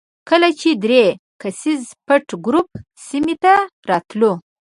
کله چې درې کسیز پټ ګروپ سیمې ته راتلو.